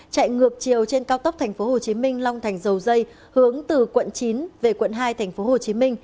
chạy ngược chiều trên cao tốc tp hcm long thành dầu dây hướng từ quận chín về quận hai tp hcm